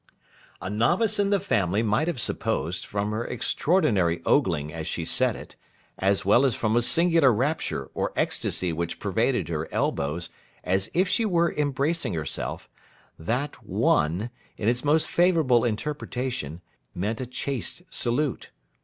A novice in the family might have supposed, from her extraordinary ogling as she said it, as well as from a singular rapture or ecstasy which pervaded her elbows, as if she were embracing herself, that 'one,' in its most favourable interpretation, meant a chaste salute.